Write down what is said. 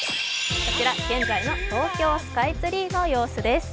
こちら現在の東京スカイツリーの様子です。